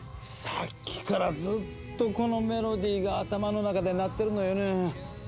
さっきからずっとこのメロディーが頭の中で鳴ってるのよね。